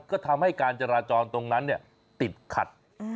ก็ทำให้การจราจรตรงนั้นติดขัด